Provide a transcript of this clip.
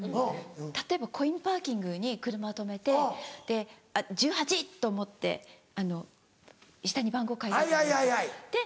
例えばコインパーキングに車を止めて１８と思って下に番号書いてあるじゃないですか。